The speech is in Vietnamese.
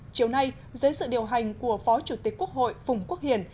chiều nay dưới sự điều hành của phó chủ tịch quốc hội phùng quốc hiển